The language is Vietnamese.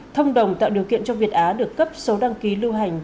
thông đồng tạo điều kiện cho việt á được cấp số đăng ký lưu hành